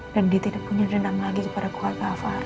dan dia tidak punya dendam lagi kepada keluarga afar itu